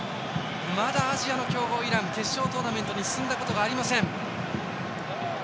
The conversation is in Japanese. まだアジアの強豪、イラン決勝トーナメントに進んだことがありません。